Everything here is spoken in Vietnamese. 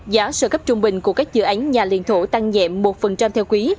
giá sơ cấp trung bình của các dự án nhà liền thổ tăng nhẹ một theo quý